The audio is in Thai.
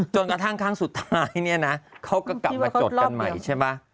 กระทั่งครั้งสุดท้ายเนี่ยนะเขาก็กลับมาจดกันใหม่ใช่ไหม